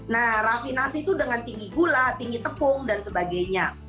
nah rafinasi itu dengan tinggi gula tinggi tepung dan sebagainya